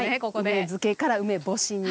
梅漬けから梅干しに。